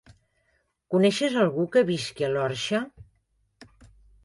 Coneixes algú que visqui a l'Orxa?